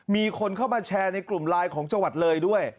มีคนเข้ามาแชร์ในกลุ่มไลน์ของจังหวัดเลยด้วย